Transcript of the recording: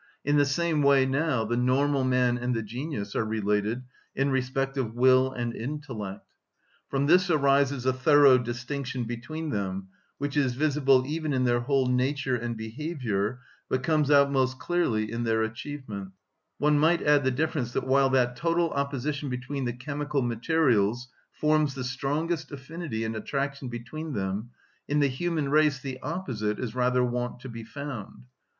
In the same way now the normal man and the genius are related in respect of will and intellect. From this arises a thorough distinction between them, which is visible even in their whole nature and behaviour, but comes out most clearly in their achievements. One might add the difference that while that total opposition between the chemical materials forms the strongest affinity and attraction between them, in the human race the opposite is rather wont to be found.